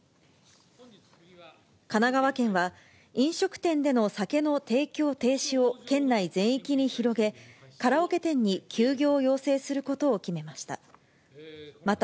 神奈川県は、飲食店での酒の提供停止を県内全域に広げ、カラオケ店に休業を要請することを決めました。